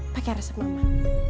pakai resep mama